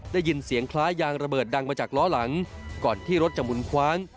ได้ยินเสียงคล้ายยางระเบิดดังมาจากล้อหลังก่อนที่รถจะหมุนคว้าง